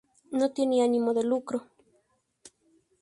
No tiene ánimo de lucro.